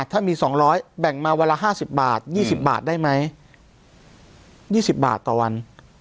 ถ้ามี๒๐๐แบ่งมาวันละ๕๐บาท๒๐บาทได้ไหม๒๐บาทต่อวัน